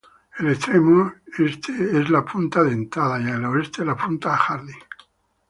El extremo este es la punta Dentada y el oeste, la punta Hardy.